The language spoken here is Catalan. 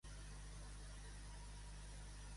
A ben menjar, ben beure.